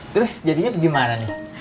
terus jadinya gimana nih